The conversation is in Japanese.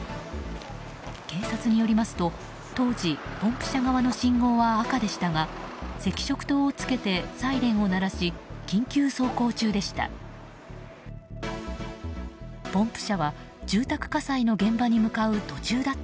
警察によりますと当時、ポンプ車側の信号は赤でしたが赤色灯をつけてサイレンを鳴らし緊急走行中でした。